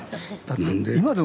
何で？